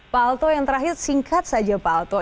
pak alto yang terakhir singkat saja pak alto